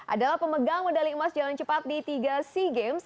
adalah pemegang medali emas jalan cepat di tiga sea games